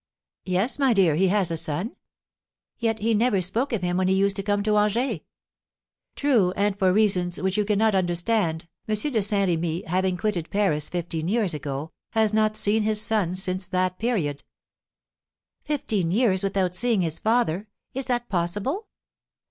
"Yes, my dear, he has a son." "Yet he never spoke of him when he used to come to Angers." "True, and, for reasons which you cannot understand, M. de Saint Remy, having quitted Paris fifteen years ago, has not seen his son since that period." "Fifteen years without seeing his father! Is that possible?"